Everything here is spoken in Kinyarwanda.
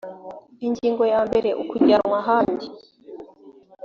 ingingo ya mbere ukujyanwa ahandi